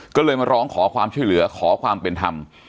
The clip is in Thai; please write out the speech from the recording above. ขอความช่วยเหลือขอความเป็นธรรม